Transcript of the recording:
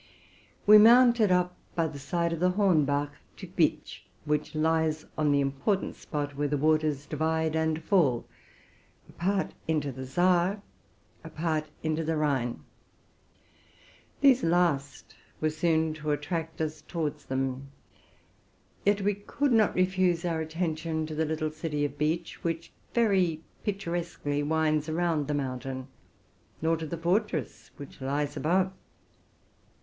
We mounted up, by the side of the Hornbach, to Bitsch, which lies on the important spot where the waters divide, and fall, a part into the Saar, a part into the Rhine 32 TRUTH AND FICTION Che latter were soon to draw us after them. Yet we could not refuse our attention to the little city of Bitsch, which very picturesquely winds around the mountain; nor to the fortress, which lies above.